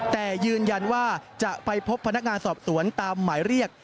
แต่ยืนยันว่าจะไปพบพนักงานสอบสวนตามหมายเรียก